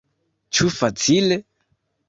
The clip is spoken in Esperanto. Ĉu facile?